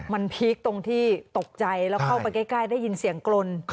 มันพีคตรงที่ตกใจแล้วเข้าไปใกล้ได้ยินเสียงกลน